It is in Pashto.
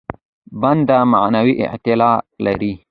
بنده معنوي اعتلا لري.